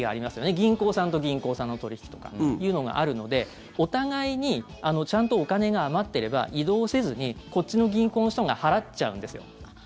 銀行さんと銀行さんの取引とかそういうのがあるのでお互いにちゃんとお金が余っていれば移動せずに、こっちの銀行の人が払っちゃうんですよ。